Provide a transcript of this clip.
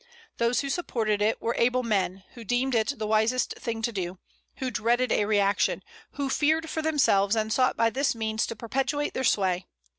Those who supported it were able men, who deemed it the wisest thing to do; who dreaded a reaction, who feared for themselves, and sought by this means to perpetuate their sway.